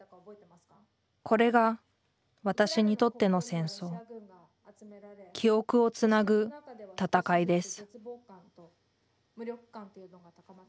これが私にとっての戦争「記憶をつなぐ闘い」です